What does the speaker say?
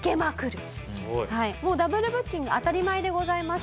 はいもうダブルブッキング当たり前でございます。